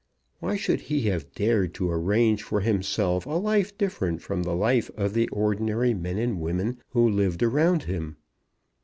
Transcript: Why should he have dared to arrange for himself a life different from the life of the ordinary men and women who lived around him?